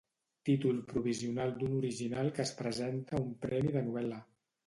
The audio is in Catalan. Títol provisional d'un original que es presenta a un premi de novel·la.